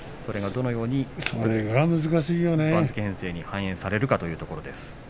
どのように番付編成に反映されるかというところです。